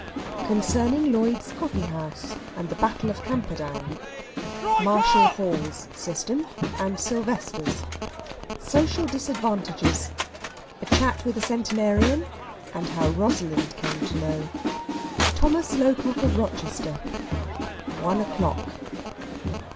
CONCERNING LLOYD'S COFFEEHOUSE, AND THE BATTLE OF CAMPERDOWN. MARSHALL HALL'S SYSTEM AND SILVESTER'S. SOCIAL DISADVANTAGES. A CHAT WITH A CENTENARIAN, AND HOW ROSALIND CAME TO KNOW. THOMAS LOCOCK OF ROCHESTER. ONE O'CLOCK!